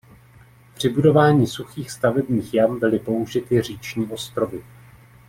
Při budování suchých stavebních jam byly použity říční ostrovy.